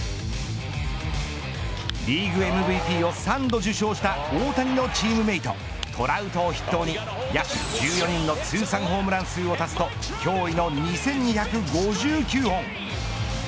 リーグＭＶＰを３度受賞した大谷のチームメートトラウトを筆頭に野手１４人の通算ホームラン数を足すと驚異の２２５９本。